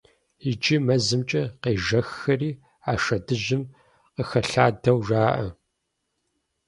Иджы мэзымкӀэ къежэххэри а шэдыжьым къыхэлъадэу жаӀэ.